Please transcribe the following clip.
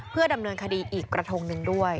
เพื่อดำเนินคดีอีกกระทงหนึ่งด้วย